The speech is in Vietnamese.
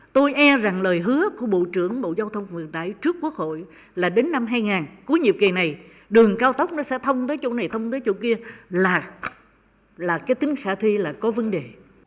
tôi e rằng lời hứa của bộ trưởng bộ giao thông vận tải trước quốc hội là đến năm hai nghìn cuối nhiệm kỳ này đường cao tốc nó sẽ thông tới chỗ này thông tới chỗ kia là cái tính khả thi là có vấn đề